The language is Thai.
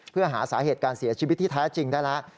เพื่อหาสาเหตุการเสียชีวิตที่แท้จริงได้แล้ว